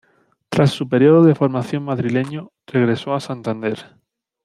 Tras su periodo de formación madrileño, regresó a Santander.